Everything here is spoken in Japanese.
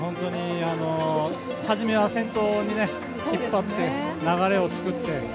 初めは先頭で引っ張って流れを作って。